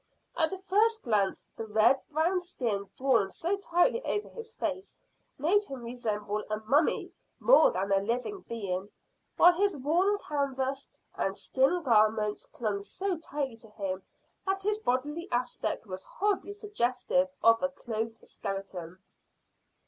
At the first glance the red brown skin drawn so tightly over his face made him resemble a mummy more than a living being, while his worn canvas and skin garments clung so tightly to him that his bodily aspect was horribly suggestive of a clothed skeleton.